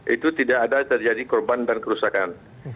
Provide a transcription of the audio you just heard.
itu tidak ada terjadi korban dan kerusakan